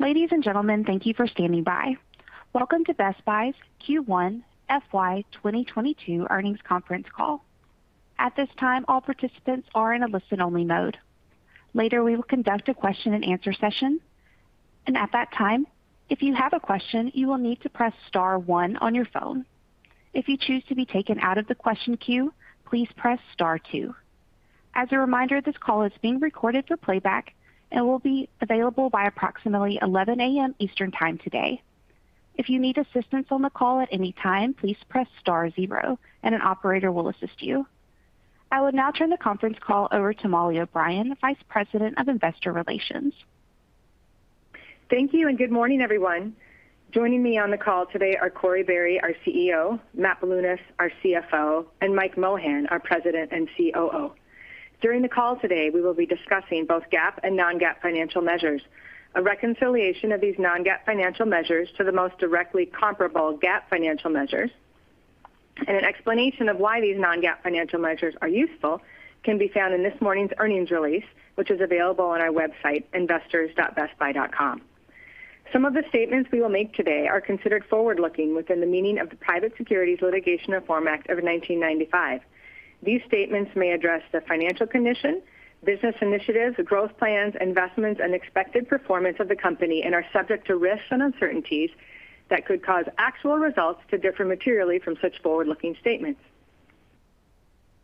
Ladies and gentlemen, thank you for standing by. Welcome to Best Buy's Q1 FY 2022 earnings conference call. At this time, all participants are in a listen-only mode. Later, we will conduct a question-and-answer session, and at that time, if you have a question, you will need to press star one on your phone. If you choose to be taken out of the question queue, please press star two. As a reminder, this call is being recorded for playback and will be available by approximately 11:00 A.M. Eastern Time today. If you need assistance on the call at any time, please press star zero and an operator will assist you. I will now turn the conference call over to Mollie O'Brien, Vice President of Investor Relations. Thank you, good morning, everyone. Joining me on the call today are Corie Barry, our CEO, Matt Bilunas, our CFO, and Mike Mohan, our President and COO. During the call today, we will be discussing both GAAP and non-GAAP financial measures. A reconciliation of these non-GAAP financial measures to the most directly comparable GAAP financial measures, and an explanation of why these non-GAAP financial measures are useful, can be found in this morning's earnings release, which is available on our website, investors.bestbuy.com. Some of the statements we will make today are considered forward-looking within the meaning of the Private Securities Litigation Reform Act of 1995. These statements may address the financial condition, business initiatives, growth plans, investments, and expected performance of the company and are subject to risks and uncertainties that could cause actual results to differ materially from such forward-looking statements.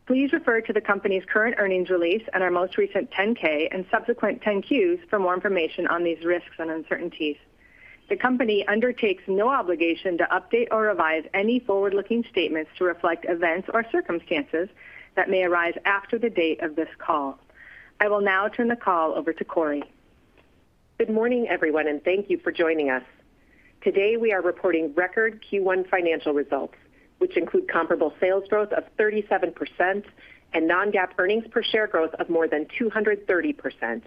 Please refer to the company's current earnings release and our most recent 10-K and subsequent 10-Qs for more information on these risks and uncertainties. The company undertakes no obligation to update or revise any forward-looking statements to reflect events or circumstances that may arise after the date of this call. I will now turn the call over to Corie. Good morning, everyone, and thank you for joining us. Today, we are reporting record Q1 financial results, which include comparable sales growth of 37% and non-GAAP earnings per share growth of more than 230%.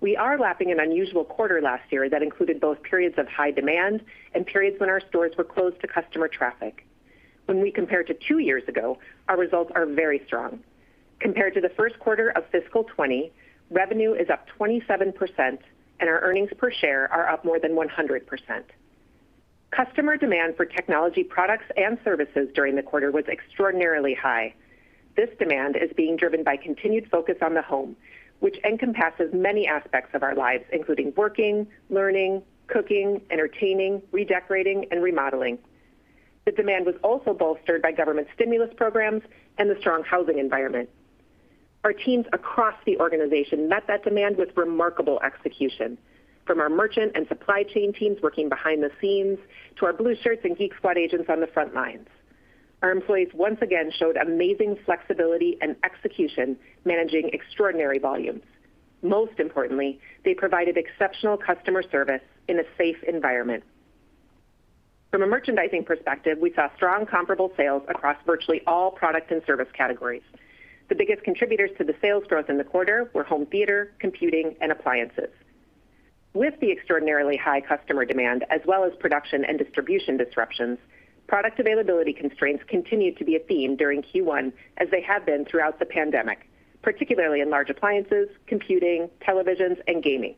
We are lapping an unusual quarter last year that included both periods of high demand and periods when our stores were closed to customer traffic. When we compare to two years ago, our results are very strong. Compared to the first quarter of fiscal 2020, revenue is up 27%, and our earnings per share are up more than 100%. Customer demand for technology products and services during the quarter was extraordinarily high. This demand is being driven by continued focus on the home, which encompasses many aspects of our lives, including working, learning, cooking, entertaining, redecorating, and remodeling. The demand was also bolstered by government stimulus programs and the strong housing environment. Our teams across the organization met that demand with remarkable execution, from our merchant and supply chain teams working behind the scenes to our Blue Shirts and Geek Squad agents on the front lines. Our employees once again showed amazing flexibility and execution managing extraordinary volumes. Most importantly, they provided exceptional customer service in a safe environment. From a merchandising perspective, we saw strong comparable sales across virtually all products and service categories. The biggest contributors to the sales growth in the quarter were home theater, computing, and appliances. With the extraordinarily high customer demand, as well as production and distribution disruptions, product availability constraints continued to be a theme during Q1 as they have been throughout the pandemic, particularly in large appliances, computing, televisions, and gaming.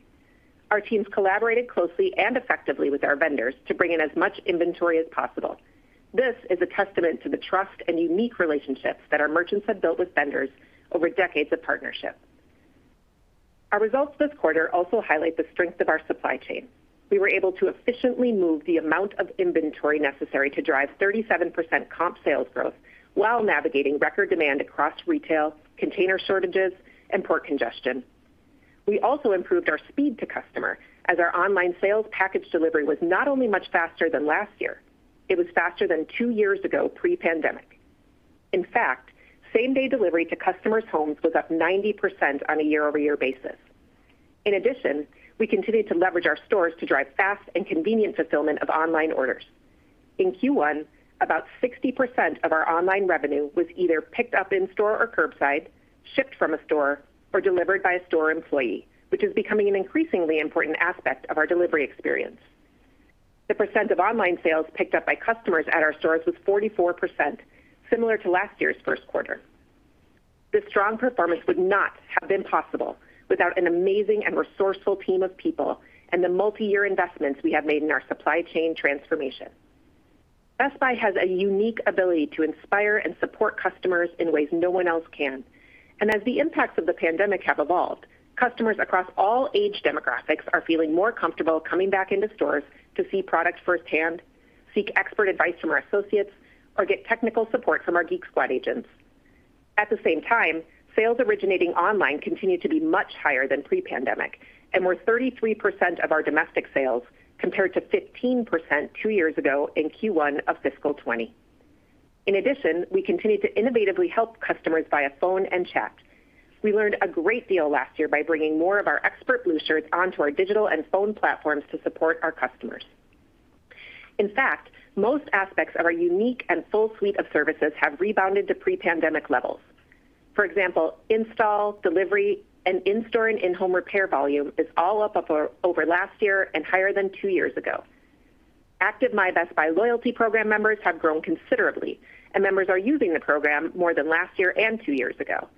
Our teams collaborated closely and effectively with our vendors to bring in as much inventory as possible. This is a testament to the trust and unique relationships that our merchants have built with vendors over decades of partnership. Our results this quarter also highlight the strength of our supply chain. We were able to efficiently move the amount of inventory necessary to drive 37% comp sales growth while navigating record demand across retail, container shortages, and port congestion. We also improved our speed to customer, as our online sales package delivery was not only much faster than last year, it was faster than two years ago pre-pandemic. In fact, same-day delivery to customers' homes was up 90% on a year-over-year basis. In addition, we continued to leverage our stores to drive fast and convenient fulfillment of online orders. In Q1, about 60% of our online revenue was either picked up in-store or curbside, shipped from a store, or delivered by a store employee, which is becoming an increasingly important aspect of our delivery experience. The percent of online sales picked up by customers at our stores was 44%, similar to last year's first quarter. This strong performance would not have been possible without an amazing and resourceful team of people and the multi-year investments we have made in our supply chain transformation. Best Buy has a unique ability to inspire and support customers in ways no one else can. As the impacts of the pandemic have evolved, customers across all age demographics are feeling more comfortable coming back into stores to see products firsthand, seek expert advice from our associates, or get technical support from our Geek Squad agents. At the same time, sales originating online continue to be much higher than pre-pandemic and were 33% of our domestic sales, compared to 15% two years ago in Q1 of fiscal 2020. In addition, we continue to innovatively help customers via phone and chat. We learned a great deal last year by bringing more of our expert Blue Shirts onto our digital and phone platforms to support our customers. In fact, most aspects of our unique and full suite of services have rebounded to pre-pandemic levels. For example, install, delivery, and in-store and in-home repair volume is all up over last year and higher than two years ago. Active My Best Buy loyalty program members have grown considerably, and members are using the program more than last year and two years ago.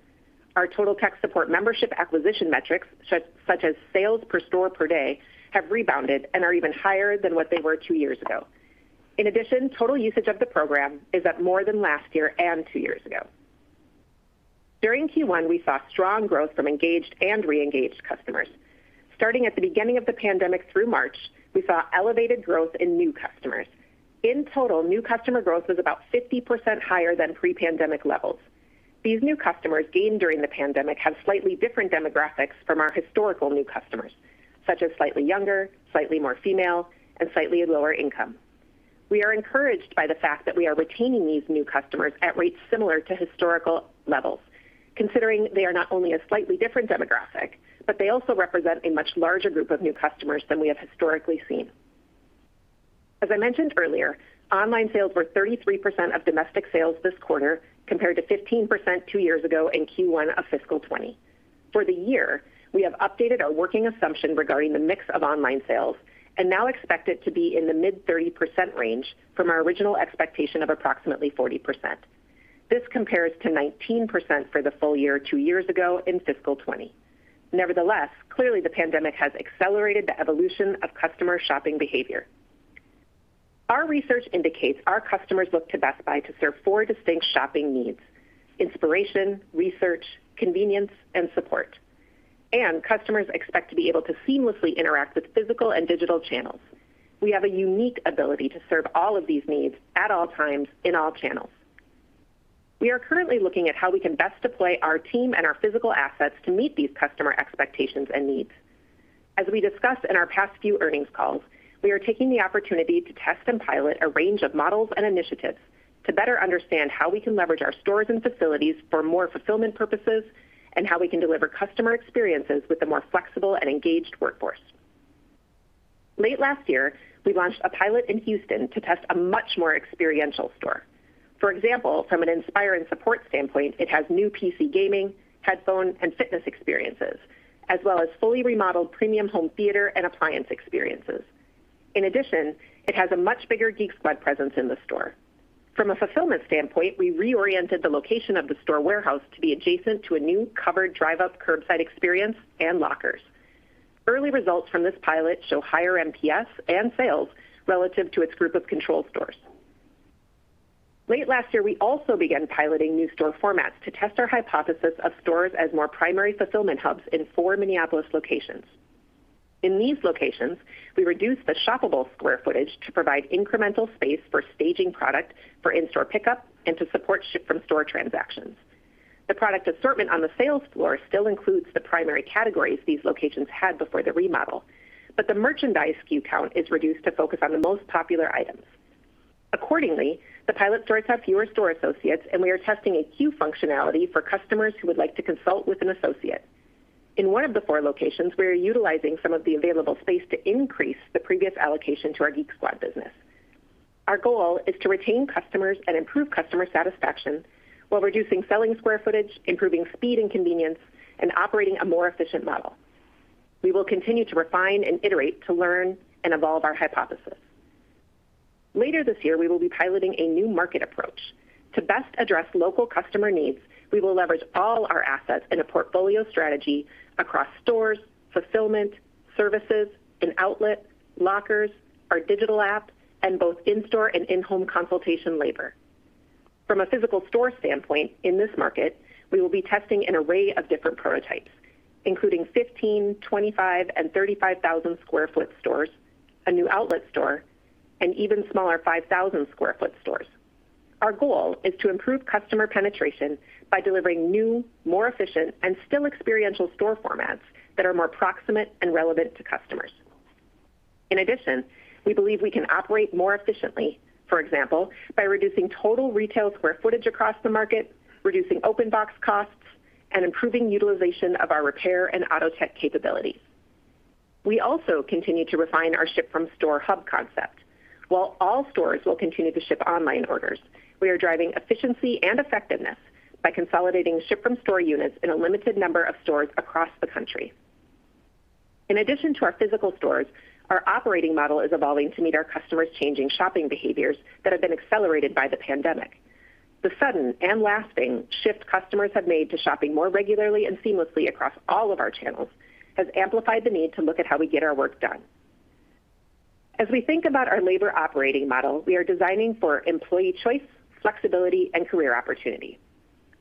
Our Total Tech Support membership acquisition metrics, such as sales per store per day, have rebounded and are even higher than what they were two years ago. In addition, total usage of the program is up more than last year and two years ago. During Q1, we saw strong growth from engaged and reengaged customers. Starting at the beginning of the pandemic through March, we saw elevated growth in new customers. In total, new customer growth was about 50% higher than pre-pandemic levels. These new customers gained during the pandemic have slightly different demographics from our historical new customers, such as slightly younger, slightly more female, and slightly lower income. We are encouraged by the fact that we are retaining these new customers at rates similar to historical levels, considering they are not only a slightly different demographic, but they also represent a much larger group of new customers than we have historically seen. As I mentioned earlier, online sales were 33% of domestic sales this quarter, compared to 15% two years ago in Q1 of fiscal 2020. For the year, we have updated our working assumption regarding the mix of online sales and now expect it to be in the mid-30% range from our original expectation of approximately 40%. This compares to 19% for the full year two years ago in fiscal 2020. Clearly the pandemic has accelerated the evolution of customer shopping behavior. Our research indicates our customers look to Best Buy to serve four distinct shopping needs: inspiration, research, convenience, and support. Customers expect to be able to seamlessly interact with physical and digital channels. We have a unique ability to serve all of these needs at all times in all channels. We are currently looking at how we can best deploy our team and our physical assets to meet these customer expectations and needs. As we discussed in our past few earnings calls, we are taking the opportunity to test and pilot a range of models and initiatives to better understand how we can leverage our stores and facilities for more fulfillment purposes and how we can deliver customer experiences with a more flexible and engaged workforce. Late last year, we launched a pilot in Houston to test a much more experiential store. For example, from an inspire and support standpoint, it has new PC gaming, headphone, and fitness experiences, as well as fully remodeled premium home theater and appliance experiences. In addition, it has a much bigger Geek Squad presence in the store. From a fulfillment standpoint, we reoriented the location of the store warehouse to be adjacent to a new covered drive-up curbside experience and lockers. Early results from this pilot show higher NPS and sales relative to its group of control stores. Late last year, we also began piloting new store formats to test our hypothesis of stores as more primary fulfillment hubs in four Minneapolis locations. In these locations, we reduced the shoppable square footage to provide incremental space for staging product for in-store pickup and to support ship-from-store transactions. The product assortment on the sales floor still includes the primary categories these locations had before the remodel, but the merchandise SKU count is reduced to focus on the most popular items. Accordingly, the pilot stores have fewer store associates, and we are testing a queue functionality for customers who would like to consult with an associate. In one of the four locations, we are utilizing some of the available space to increase the previous allocation to our Geek Squad business. Our goal is to retain customers and improve customer satisfaction while reducing selling square footage, improving speed and convenience, and operating a more efficient model. We will continue to refine and iterate to learn and evolve our hypothesis. Later this year, we will be piloting a new market approach. To best address local customer needs, we will leverage all our assets in a portfolio strategy across stores, fulfillment, services, and outlet, lockers, our digital app, and both in-store and in-home consultation labor. From a physical store standpoint in this market, we will be testing an array of different prototypes, including 15,000, 25,000, and 35,000 square foot stores, a new outlet store, and even smaller 5,000 square foot stores. Our goal is to improve customer penetration by delivering new, more efficient, and still experiential store formats that are more proximate and relevant to customers. In addition, we believe we can operate more efficiently, for example, by reducing total retail square footage across the market, reducing open box costs, and improving utilization of our repair and auto tech capabilities. We also continue to refine our ship-from-store hub concept. While all stores will continue to ship online orders, we are driving efficiency and effectiveness by consolidating ship-from-store units in a limited number of stores across the country. In addition to our physical stores, our operating model is evolving to meet our customers' changing shopping behaviors that have been accelerated by the pandemic. The sudden and lasting shift customers have made to shopping more regularly and seamlessly across all of our channels has amplified the need to look at how we get our work done. As we think about our labor operating model, we are designing for employee choice, flexibility, and career opportunity.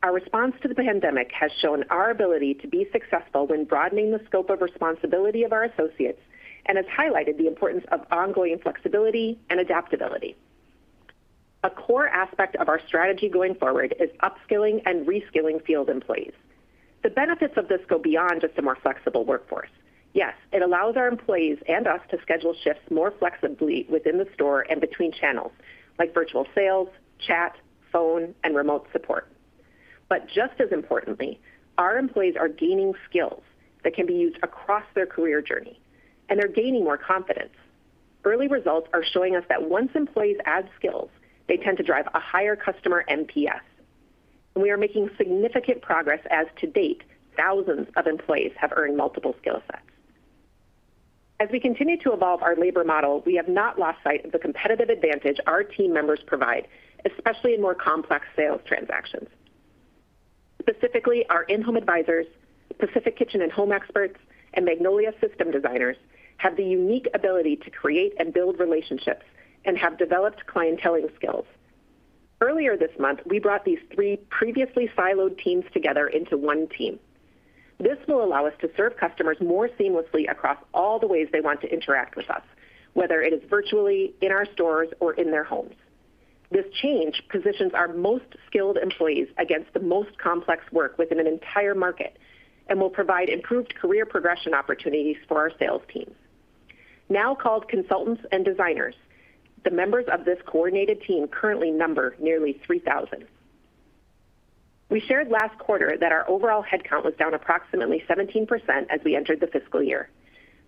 Our response to the pandemic has shown our ability to be successful when broadening the scope of responsibility of our associates and has highlighted the importance of ongoing flexibility and adaptability. A core aspect of our strategy going forward is upskilling and reskilling field employees. The benefits of this go beyond just a more flexible workforce. Yes, it allows our employees and us to schedule shifts more flexibly within the store and between channels, like virtual sales, chat, phone, and remote support. Just as importantly, our employees are gaining skills that can be used across their career journey, and they're gaining more confidence. Early results are showing us that once employees add skills, they tend to drive a higher customer NPS. `We are making significant progress as to date, thousands of employees have earned multiple skill sets. As we continue to evolve our labor model, we have not lost sight of the competitive advantage our team members provide, especially in more complex sales transactions. Specifically, our in-home advisors, Pacific Kitchen and Home experts, and Magnolia system designers have the unique ability to create and build relationships and have developed clienteling skills. Earlier this month, we brought these three previously siloed teams together into one team. This will allow us to serve customers more seamlessly across all the ways they want to interact with us, whether it is virtually, in our stores, or in their homes. This change positions our most skilled employees against the most complex work within an entire market and will provide improved career progression opportunities for our sales teams. Now called consultants and designers, the members of this coordinated team currently number nearly 3,000. We shared last quarter that our overall headcount was down approximately 17% as we entered the fiscal year.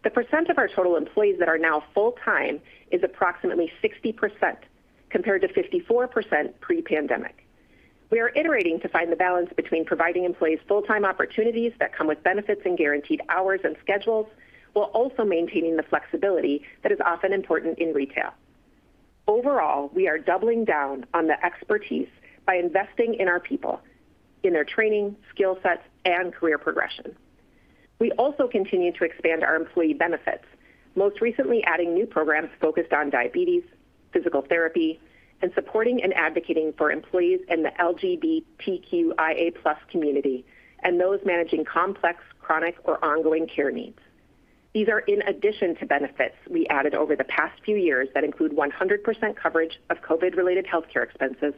The percent of our total employees that are now full-time is approximately 60%, compared to 54% pre-pandemic. We are iterating to find the balance between providing employees full-time opportunities that come with benefits and guaranteed hours and schedules, while also maintaining the flexibility that is often important in retail. Overall, we are doubling down on the expertise by investing in our people, in their training, skill sets, and career progression. We also continue to expand our employee benefits, most recently adding new programs focused on diabetes, physical therapy, and supporting and advocating for employees in the LGBTQIA+ community and those managing complex chronic or ongoing care needs. These are in addition to benefits we added over the past few years that include 100% coverage of COVID-related healthcare expenses,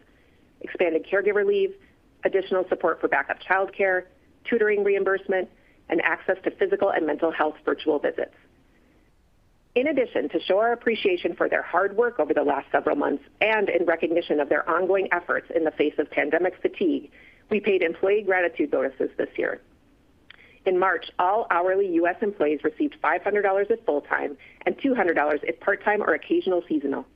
expanded caregiver leave, additional support for backup childcare, tutoring reimbursement, and access to physical and mental health virtual visits. In addition, to show our appreciation for their hard work over the last several months and in recognition of their ongoing efforts in the face of pandemic fatigue, we paid employee gratitude bonuses this year. In March, all hourly U.S. employees received $500 if full-time and $200 if part-time or occasional seasonal.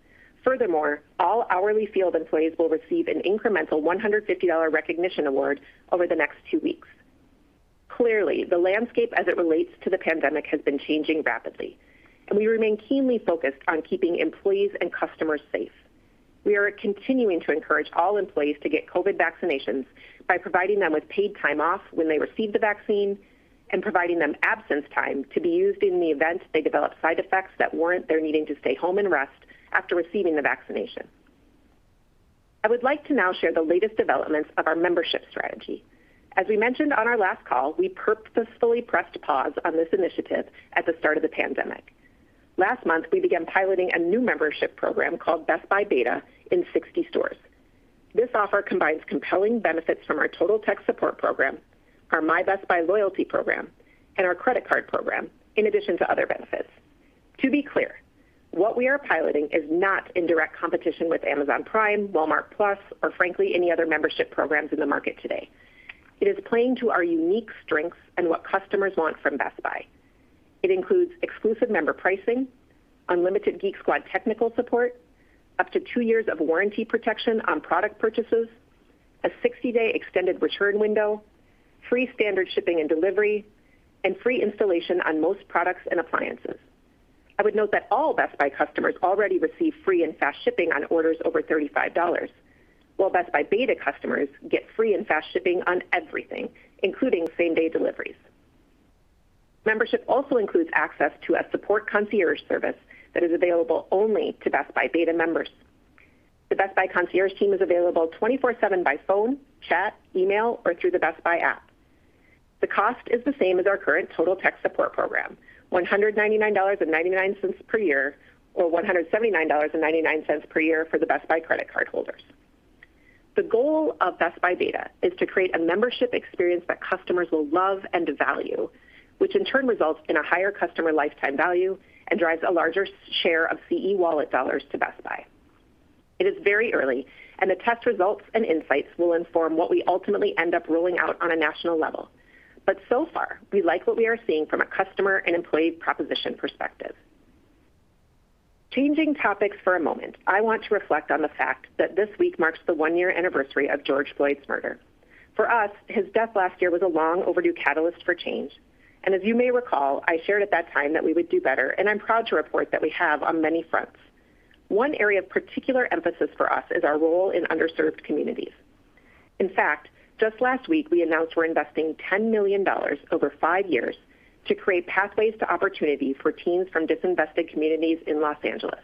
All hourly field employees will receive an incremental $150 recognition award over the next two weeks. Clearly, the landscape as it relates to the pandemic has been changing rapidly, and we remain keenly focused on keeping employees and customers safe. We are continuing to encourage all employees to get COVID vaccinations by providing them with paid time off when they receive the vaccine and providing them absence time to be used in the event they develop side effects that warrant their needing to stay home and rest after receiving the vaccination. I would like to now share the latest developments of our membership strategy. As we mentioned on our last call, we purposely pressed pause on this initiative at the start of the pandemic. Last month, we began piloting a new membership program called Best Buy Beta in 60 stores. This offer combines compelling benefits from our Total Tech Support program, our My Best Buy loyalty program, and our credit card program, in addition to other benefits. To be clear, what we are piloting is not in direct competition with Amazon Prime, Walmart+, or frankly, any other membership programs in the market today. It is playing to our unique strengths and what customers want from Best Buy. It includes exclusive member pricing, unlimited Geek Squad technical support, up to two years of warranty protection on product purchases, a 60-day extended return window, free standard shipping and delivery, and free installation on most products and appliances. I would note that all Best Buy customers already receive free and fast shipping on orders over $35, while Best Buy Beta customers get free and fast shipping on everything, including same-day deliveries. Membership also includes access to a support concierge service that is available only to Best Buy Beta members. The Best Buy concierge team is available 24/7 by phone, chat, email, or through the Best Buy app. The cost is the same as our current Total Tech Support program, $199.99 per year or $179.99 per year for the Best Buy credit card holders. The goal of Best Buy Beta is to create a membership experience that customers will love and value, which in turn results in a higher customer lifetime value and drives a larger share of CE wallet dollars to Best Buy. It is very early, and the test results and insights will inform what we ultimately end up rolling out on a national level. So far, we like what we are seeing from a customer and employee proposition perspective. Changing topics for a moment, I want to reflect on the fact that this week marks the one-year anniversary of George Floyd's murder. For us, his death last year was a long-overdue catalyst for change. As you may recall, I shared at that time that we would do better, and I'm proud to report that we have on many fronts. One area of particular emphasis for us is our role in underserved communities. Just last week, we announced we're investing $10 million over five years to create pathways to opportunity for teens from disinvested communities in Los Angeles.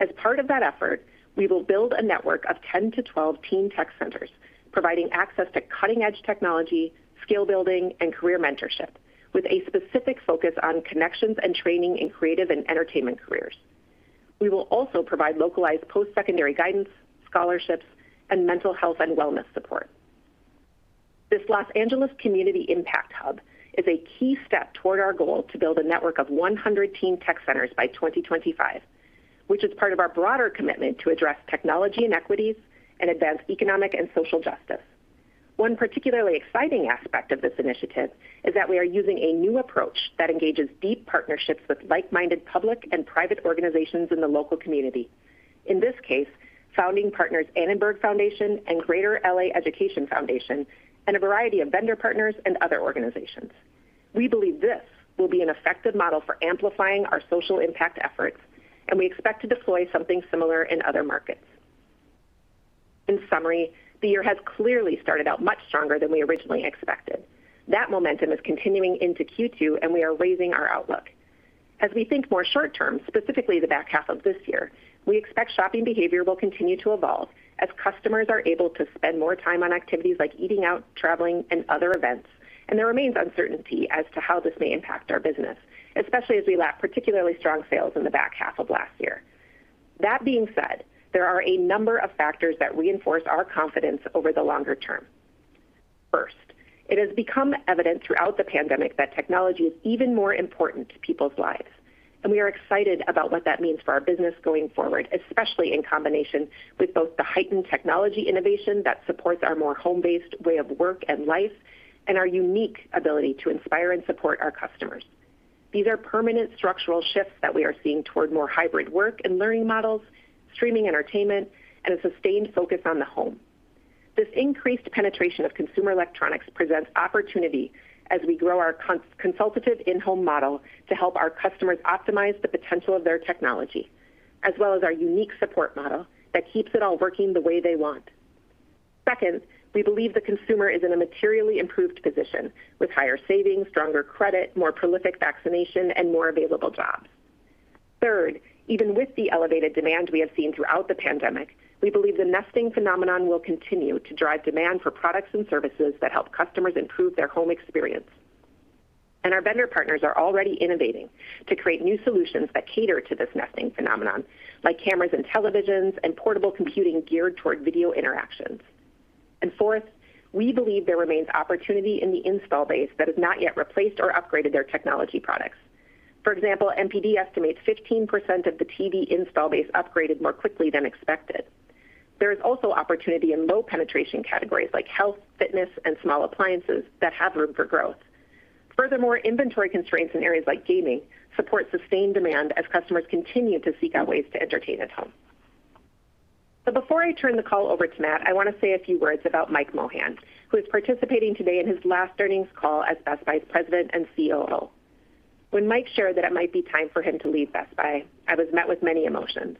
As part of that effort, we will build a network of 10 to 12 Teen Tech Centers, providing access to cutting-edge technology, skill-building, and career mentorship, with a specific focus on connections and training in creative and entertainment careers. We will also provide localized post-secondary guidance, scholarships, and mental health and wellness support. This Los Angeles Community Impact Hub is a key step toward our goal to build a network of 100 Teen Tech Centers by 2025, which is part of our broader commitment to address technology inequities and advance economic and social justice. One particularly exciting aspect of this initiative is that we are using a new approach that engages deep partnerships with like-minded public and private organizations in the local community, in this case, founding partners Annenberg Foundation and Greater L.A. Education Foundation, and a variety of vendor partners and other organizations. We believe this will be an effective model for amplifying our social impact efforts, and we expect to deploy something similar in other markets. In summary, the year has clearly started out much stronger than we originally expected. That momentum is continuing into Q2, and we are raising our outlook. As we think more short-term, specifically the back half of this year, we expect shopping behavior will continue to evolve as customers are able to spend more time on activities like eating out, traveling, and other events. There remains uncertainty as to how this may impact our business, especially as we lack particularly strong sales in the back half of last year. That being said, there are a number of factors that reinforce our confidence over the longer term. First, it has become evident throughout the pandemic that technology is even more important to people's lives, and we are excited about what that means for our business going forward, especially in combination with both the heightened technology innovation that supports our more home-based way of work and life and our unique ability to inspire and support our customers. These are permanent structural shifts that we are seeing toward more hybrid work and learning models, streaming entertainment, and a sustained focus on the home. This increased penetration of consumer electronics presents opportunity as we grow our consultative in-home model to help our customers optimize the potential of their technology, as well as our unique support model that keeps it all working the way they want. Second, we believe the consumer is in a materially improved position with higher savings, stronger credit, more prolific vaccination, and more available jobs. Third, even with the elevated demand we have seen throughout the pandemic, we believe the nesting phenomenon will continue to drive demand for products and services that help customers improve their home experience. Our vendor partners are already innovating to create new solutions that cater to this nesting phenomenon, like cameras and televisions and portable computing geared toward video interactions. Fourth, we believe there remains opportunity in the install base that have not yet replaced or upgraded their technology products. For example, NPD estimates 15% of the TV install base upgraded more quickly than expected. There is also opportunity in low-penetration categories like health, fitness, and small appliances that have room for growth. Furthermore, inventory constraints in areas like gaming support sustained demand as customers continue to seek out ways to entertain at home. Before I turn the call over to Matt, I want to say a few words about Mike Mohan, who is participating today in his last earnings call as Best Buy's President and COO. When Mike shared that it might be time for him to leave Best Buy, I was met with many emotions.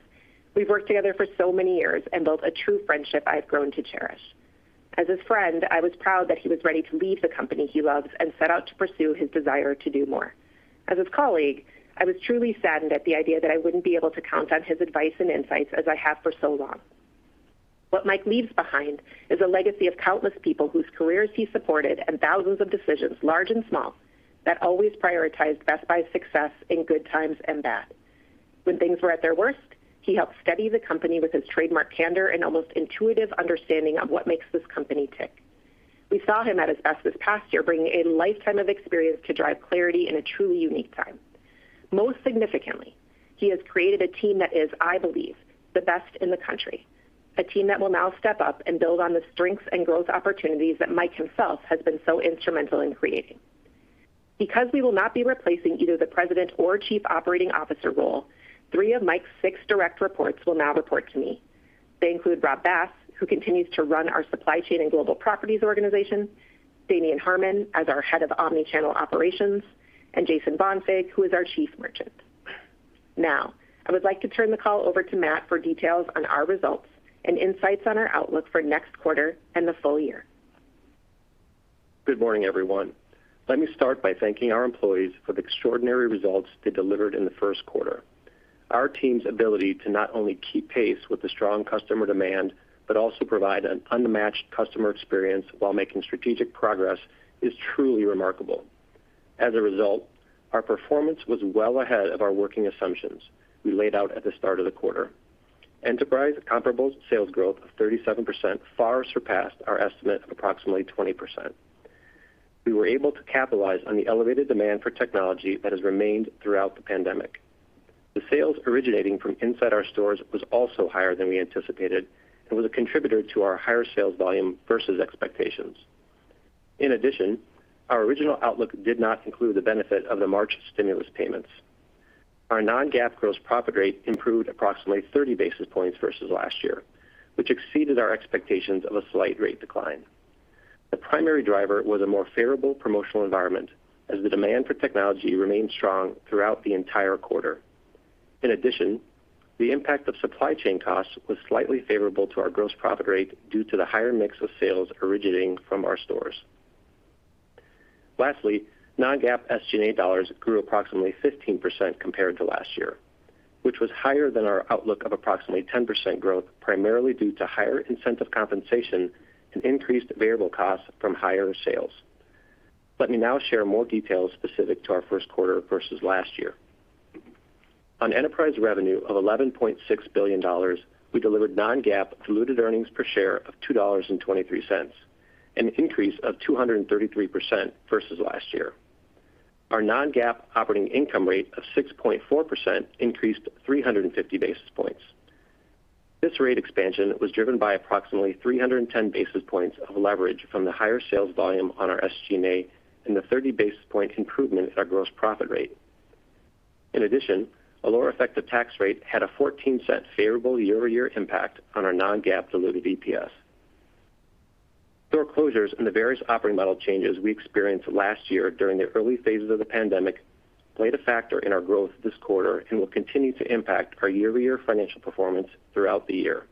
We've worked together for so many years and built a true friendship I've grown to cherish. As his friend, I was proud that he was ready to leave the company he loves and set out to pursue his desire to do more. As his colleague, I was truly saddened at the idea that I wouldn't be able to count on his advice and insights as I have for so long. What Mike leaves behind is a legacy of countless people whose careers he supported and thousands of decisions, large and small, that always prioritized Best Buy's success in good times and bad. When things were at their worst, he helped steady the company with his trademark candor and almost intuitive understanding on what makes this company tick. We saw him at his best this past year, bringing a lifetime of experience to drive clarity in a truly unique time. Most significantly, he has created a team that is, I believe, the best in the country, a team that will now step up and build on the strengths and growth opportunities that Mike himself has been so instrumental in creating. Because we will not be replacing either the president or chief operating officer role, three of Mike's six direct reports will now report to me. They include Rob Bass, who continues to run our supply chain and global properties organization, Damien Harmon as our head of omni-channel operations, and Jason Bonfig, who is our chief merchant. Now, I would like to turn the call over to Matt for details on our results and insights on our outlook for next quarter and the full year. Good morning, everyone. Let me start by thanking our employees for the extraordinary results they delivered in the first quarter. Our team's ability to not only keep pace with the strong customer demand but also provide an unmatched customer experience while making strategic progress is truly remarkable. As a result, our performance was well ahead of our working assumptions we laid out at the start of the quarter. Enterprise comparable sales growth of 37% far surpassed our estimate of approximately 20%. We were able to capitalize on the elevated demand for technology that has remained throughout the pandemic. The sales originating from inside our stores was also higher than we anticipated and was a contributor to our higher sales volume versus expectations. In addition, our original outlook did not include the benefit of the March stimulus payments. Our non-GAAP gross profit rate improved approximately 30 basis points versus last year, which exceeded our expectations of a slight rate decline. The primary driver was a more favorable promotional environment as the demand for technology remained strong throughout the entire quarter. In addition, the impact of supply chain costs was slightly favorable to our gross profit rate due to the higher mix of sales originating from our stores. Lastly, non-GAAP SG&A dollars grew approximately 15% compared to last year, which was higher than our outlook of approximately 10% growth, primarily due to higher incentive compensation and increased variable costs from higher sales. Let me now share more details specific to our first quarter versus last year. On enterprise revenue of $11.6 billion, we delivered non-GAAP diluted earnings per share of $2.23, an increase of 233% versus last year. Our non-GAAP operating income rate of 6.4% increased 350 basis points. This rate expansion was driven by approximately 310 basis points of leverage from the higher sales volume on our SG&A and a 30 basis point improvement in our gross profit rate. In addition, a lower effective tax rate had a $0.14 favorable year-over-year impact on our non-GAAP diluted EPS. Store closures and the various operating model changes we experienced last year during the early phases of the pandemic played a factor in our growth this quarter and will continue to impact our year-over-year financial performance throughout the year.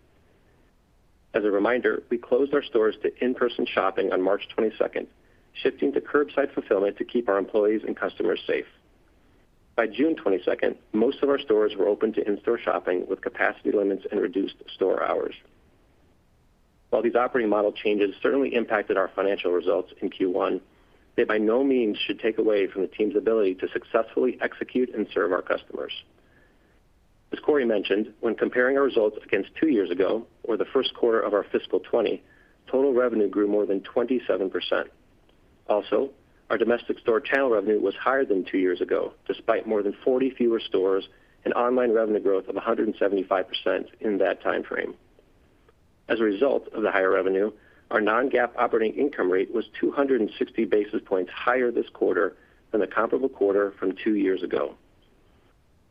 As a reminder, we closed our stores to in-person shopping on March 22nd, shifting to curbside fulfillment to keep our employees and customers safe. By June 22nd, most of our stores were open to in-store shopping with capacity limits and reduced store hours. While these operating model changes certainly impacted our financial results in Q1, they by no means should take away from the team's ability to successfully execute and serve our customers. As Corie mentioned, when comparing our results against two years ago, or the first quarter of our fiscal 2020, total revenue grew more than 27%. Also, our domestic store channel revenue was higher than two years ago, despite more than 40 fewer stores and online revenue growth of 175% in that timeframe. As a result of the higher revenue, our non-GAAP operating income rate was 260 basis points higher this quarter than the comparable quarter from two years ago.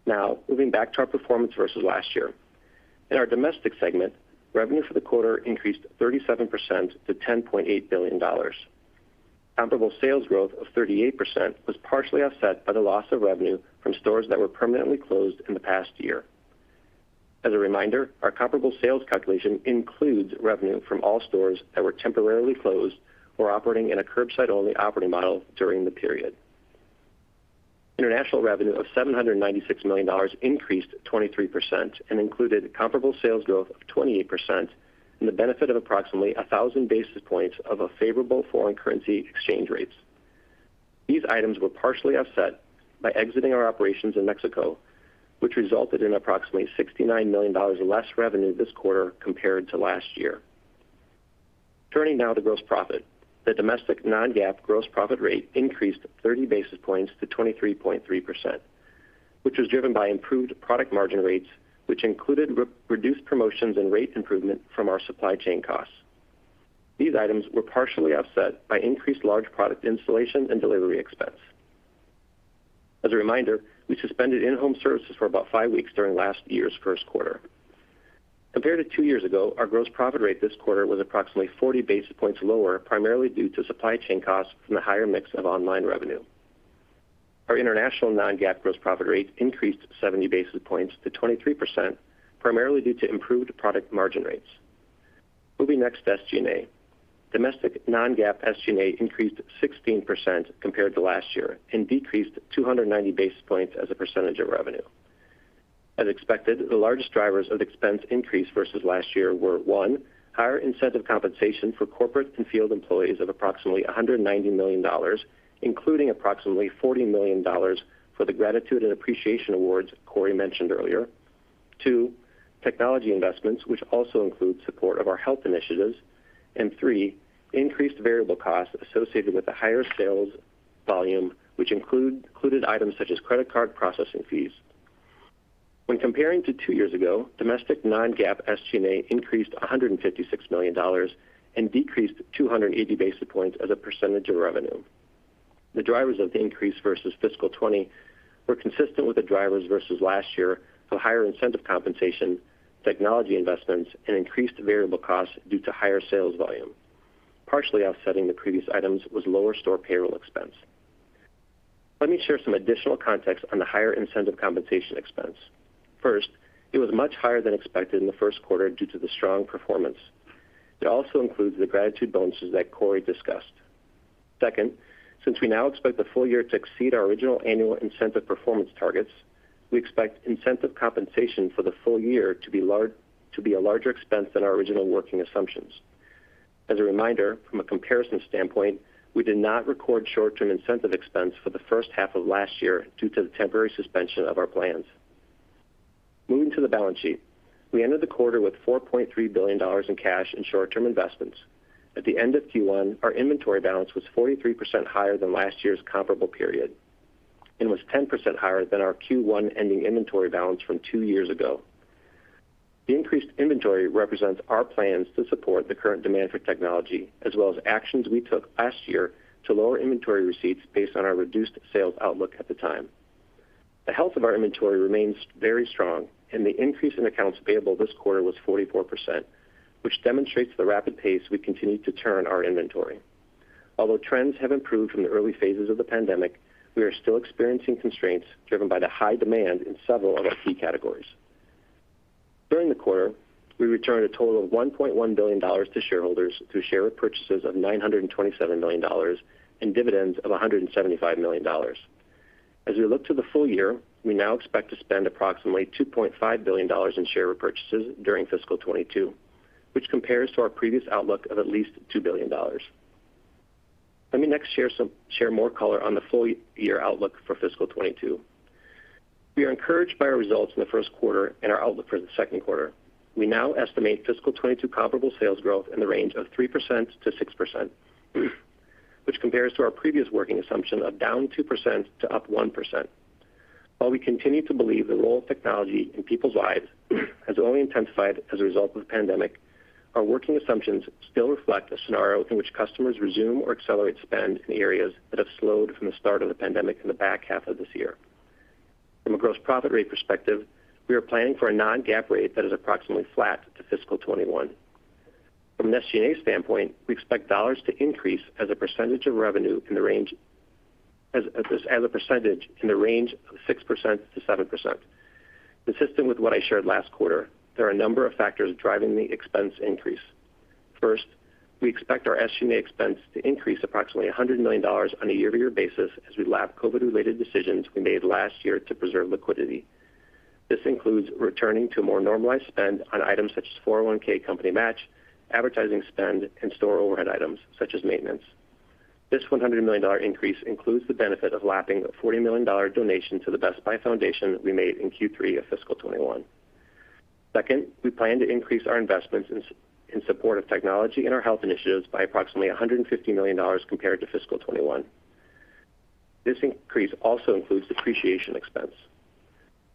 Now, moving back to our performance versus last year. In our domestic segment, revenue for the quarter increased 37% to $10.8 billion. Comparable sales growth of 38% was partially offset by the loss of revenue from stores that were permanently closed in the past year. As a reminder, our comparable sales calculation includes revenue from all stores that were temporarily closed or operating in a curbside-only operating model during the period. International revenue of $796 million increased 23% and included comparable sales growth of 28% and the benefit of approximately 1,000 basis points of a favorable foreign currency exchange rates. These items were partially offset by exiting our operations in Mexico, which resulted in approximately $69 million less revenue this quarter compared to last year. Turning now to gross profit. The domestic non-GAAP gross profit rate increased 30 basis points to 23.3%, which was driven by improved product margin rates, which included reduced promotions and rate improvement from our supply chain costs. These items were partially offset by increased large product installation and delivery expense. As a reminder, we suspended in-home services for about five weeks during last year's first quarter. Compared to two years ago, our gross profit rate this quarter was approximately 40 basis points lower, primarily due to supply chain costs and a higher mix of online revenue. Our international non-GAAP gross profit rate increased 70 basis points to 23%, primarily due to improved product margin rates. Moving next to SG&A. Domestic non-GAAP SG&A increased 16% compared to last year and decreased 290 basis points as a percentage of revenue. As expected, the largest drivers of expense increase versus last year were, one, higher incentive compensation for corporate and field employees of approximately $190 million, including approximately $40 million for the gratitude and appreciation awards Corie mentioned earlier. Two, technology investments, which also include support of our health initiatives. Three, increased variable costs associated with the higher sales volume, which included items such as credit card processing fees. When comparing to two years ago, domestic non-GAAP SG&A increased $156 million and decreased 280 basis points as a % of revenue. The drivers of the increase versus fiscal 2020 were consistent with the drivers versus last year for higher incentive compensation, technology investments, and increased variable costs due to higher sales volume. Partially offsetting the previous items was lower store payroll expense. Let me share some additional context on the higher incentive compensation expense. First, it was much higher than expected in the first quarter due to the strong performance. It also includes the gratitude bonuses that Corie discussed. Since we now expect the full year to exceed our original annual incentive performance targets, we expect incentive compensation for the full year to be a larger expense than our original working assumptions. As a reminder, from a comparison standpoint, we did not record short-term incentive expense for the first half of last year due to the temporary suspension of our plans. Moving to the balance sheet. We ended the quarter with $4.3 billion in cash and short-term investments. At the end of Q1, our inventory balance was 43% higher than last year's comparable period, and was 10% higher than our Q1 ending inventory balance from two years ago. The increased inventory represents our plans to support the current demand for technology, as well as actions we took last year to lower inventory receipts based on our reduced sales outlook at the time. The health of our inventory remains very strong, and the increase in accounts payable this quarter was 44%, which demonstrates the rapid pace we continue to turn our inventory. Although trends have improved from the early phases of the pandemic, we are still experiencing constraints driven by the high demand in several of our key categories. During the quarter, we returned a total of $1.1 billion to shareholders through share purchases of $927 million and dividends of $175 million. As we look to the full year, we now expect to spend approximately $2.5 billion in share repurchases during fiscal 2022, which compares to our previous outlook of at least $2 billion. Let me next share more color on the full-year outlook for fiscal 2022. We are encouraged by our results in the first quarter and our outlook for the second quarter. We now estimate fiscal 2022 comparable sales growth in the range of 3%-6%, which compares to our previous working assumption of -2% to +1%. While we continue to believe the role of technology in people's lives has only intensified as a result of the pandemic. Our working assumptions still reflect a scenario in which customers resume or accelerate spend in areas that have slowed from the start of the pandemic in the back half of this year. From a gross profit rate perspective, we are planning for a non-GAAP rate that is approximately flat to fiscal 2021. From an SG&A standpoint, we expect dollars to increase as a percentage in the range of 6%-7%. Consistent with what I shared last quarter, there are a number of factors driving the expense increase. First, we expect our SG&A expense to increase approximately $100 million on a year-over-year basis as we lap COVID-related decisions we made last year to preserve liquidity. This includes returning to more normalized spend on items such as 401(k) company match, advertising spend, and store overhead items such as maintenance. This $100 million increase includes the benefit of lapping the $40 million donation to the Best Buy Foundation that we made in Q3 of fiscal 2021. Second, we plan to increase our investments in support of technology and our health initiatives by approximately $150 million compared to fiscal 2021. This increase also includes depreciation expense.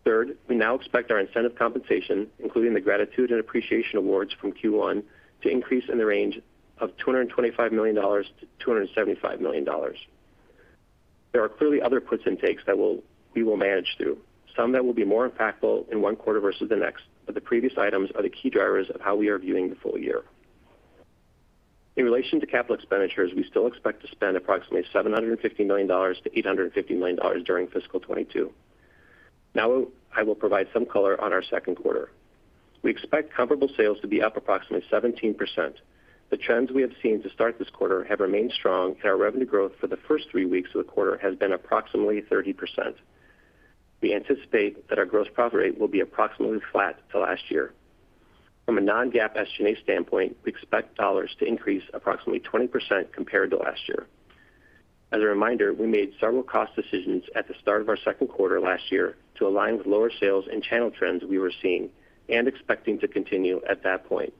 Third, we now expect our incentive compensation, including the gratitude and appreciation awards from Q1, to increase in the range of $225 million-$275 million. There are clearly other puts and takes that we will manage to, some that will be more impactful in one quarter versus the next, but the previous items are the key drivers of how we are viewing the full year. In relation to capital expenditures, we still expect to spend approximately $750 million-$850 million during fiscal 2022. Now, I will provide some color on our second quarter. We expect comparable sales to be up approximately 17%. The trends we have seen to start this quarter have remained strong. Our revenue growth for the first three weeks of the quarter has been approximately 30%. We anticipate that our gross profit rate will be approximately flat to last year. From a non-GAAP SG&A standpoint, we expect dollars to increase approximately 20% compared to last year. As a reminder, we made several cost decisions at the start of our second quarter last year to align with lower sales and channel trends we were seeing and expecting to continue at that point.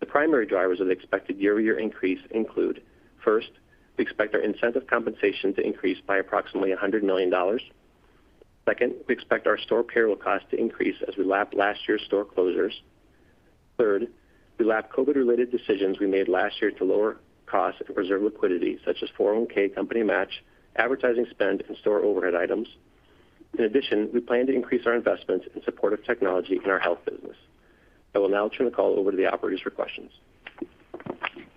The primary drivers of the expected year-over-year increase include, first, we expect our incentive compensation to increase by approximately $100 million. Second, we expect our store payroll cost to increase as we lap last year's store closures. Third, we lap COVID-related decisions we made last year to lower cost and preserve liquidity, such as 401(k) company match, advertising spend, and store overhead items. In addition, we plan to increase our investments in support of technology and our health business. I will now turn the call over to the operator for questions.